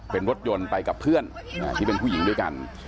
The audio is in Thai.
เป็นรถยนต์ไปกับเพื่อนที่เป็นผู้หญิงด้วยกัน